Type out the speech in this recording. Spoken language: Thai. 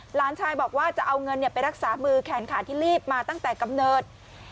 หลานชายบอกว่าจะเอาเงินไปรักษามือแขนขาที่รีบมาตั้งแต่กำเนิด